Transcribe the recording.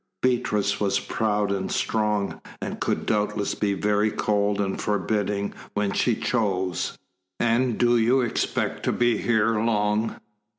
Beatrice was proud and strong, and could doubtless be very cold and forbidding when she chose. "And do you expect to be here long?"